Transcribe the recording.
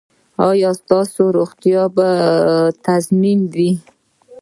ایا ستاسو روغتیا به تضمین وي؟